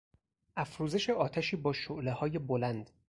افروزش آتشی با شعلههای بلند